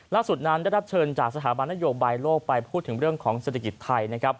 ล่าสุดนั้นได้รับเชิญจากสถาบันโยคบายโลกไปพูดถึงเรื่องของเศรษฐกิจไทย